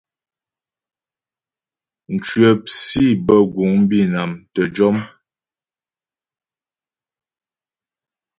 Mcwəp sǐ bə́ guŋ á Bǐnam tə́ jɔm.